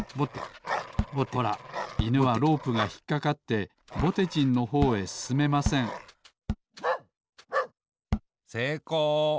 ほらいぬはロープがひっかかってぼてじんのほうへすすめませんせいこう。